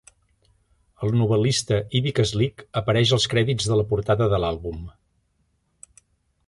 El novel·lista Ibi Kaslik apareix als crèdits de la portada de l"àlbum.